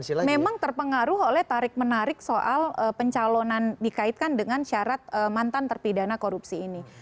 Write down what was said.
memang terpengaruh oleh tarik menarik soal pencalonan dikaitkan dengan syarat mantan terpidana korupsi ini